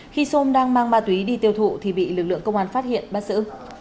khi sôm đang mang ma túy đi tiêu thụ thì bị lực lượng công an phát hiện bắt giữ